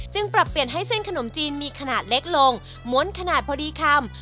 ปรับเปลี่ยนให้เส้นขนมจีนมีขนาดเล็กลงม้วนขนาดพอดีคำ